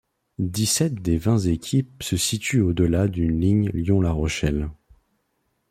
Dix-sept des vingt équipes se situent au-delà d'une ligne Lyon-La Rochelle.